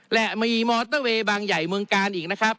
และมีมอเตอร์เวย์บางใหญ่เมืองกาลอีกนะครับ